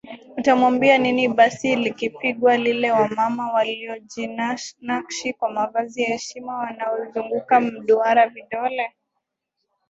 utamwambia nini Basi likipigwa lile wamama waliojinakshi kwa mavazi ya heshima wanazunguka mduara vidole